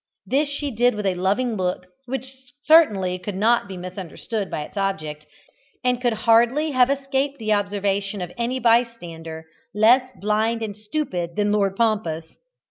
This she did with a loving look, which certainly could not be misunderstood by its object, and could hardly have escaped the observation of any bystander less blind and stupid than Lord Pompous.